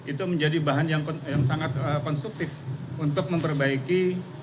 itu menjadi bahan yang sangat konstruktif untuk memperbaiki